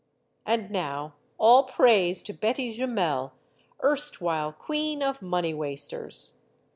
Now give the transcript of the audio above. And now, all praise to Betty Jumel, erstwhile queen of money wasters!